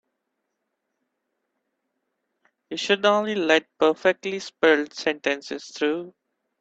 You should only let perfectly spelled sentences through.